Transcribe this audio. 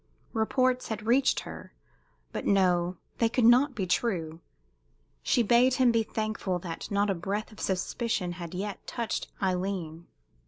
Reports had reached her; but no they could not be true! She bade him be thankful that not a breath of suspicion had yet touched Aileen.